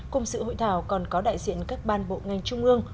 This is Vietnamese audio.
cùng sự hội thảo còn có đại diện các ban bộ ngành trung ương